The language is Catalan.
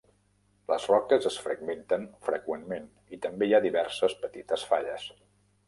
Les roques es fragmenten freqüentment, i també hi ha diverses petites falles.